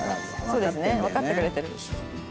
そうですねわかってくれてる。